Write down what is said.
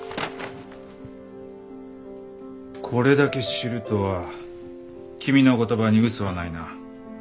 これだけ知るとは君の言葉に嘘はないな。